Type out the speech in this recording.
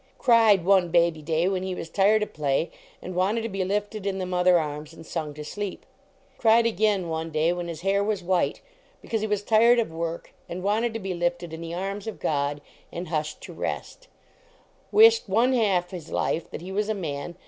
Cried, one baby day, when he was tired of play and wanted to be lifted in the mother arms and sung to sleep. Cried again one day 6 (//I/ till I/, fl, XI I til, , 1.,1 t lh. <l <lt tin,,, ,, //i. ,(/,//) n ,f </ ALPHA when his hair was white, because he was tired of work and wanted to be lifted in the arms of God and hushed to rest. Wished one half his life that he was a man.